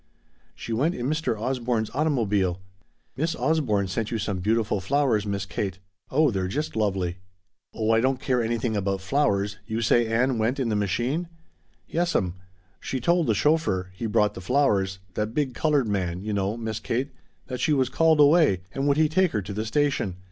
"She went in Mr. Osborne's automobile. Miss Osborne sent you some beautiful flowers, Miss Kate. Oh they're just lovely!" "Oh, I don't care anything about flowers! You say Ann went in the machine?" "Yes'm. She told the chauffeur he brought the flowers that big colored man, you know, Miss Kate that she was called away, and would he take her to the station.